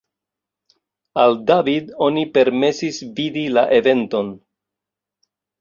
Al David oni permesis vidi la eventon.